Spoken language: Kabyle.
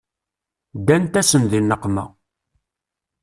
Ddant-asen di nneqma.